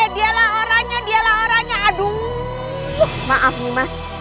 dialah orangnya dialah orangnya aduh maaf nih mas